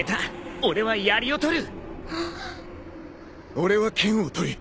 俺は剣を取る。